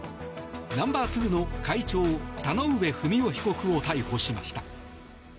ナンバー２の会長田上不美夫被告を逮捕しました。